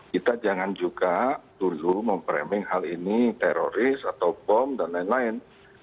kita jangan juga dulu memframing hal ini teroris atau bom dan lain lain